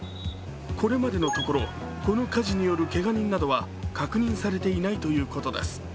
これまでのところこの火事によるけが人などは確認されていないということです。